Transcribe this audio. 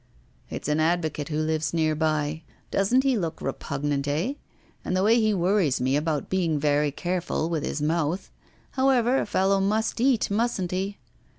'It's an advocate who lives near by. Doesn't he look repugnant, eh? And the way he worries me about being very careful with his mouth. However, a fellow must eat, mustn't he?